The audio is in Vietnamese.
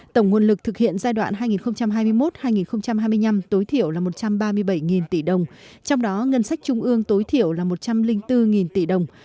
tổng nguồn lực thực hiện giai đoạn hai nghìn hai mươi một hai nghìn hai mươi năm tối thiểu là một trăm ba mươi bảy tỷ đồng trong đó ngân sách trung ương tối thiểu là một trăm linh bốn tỷ đồng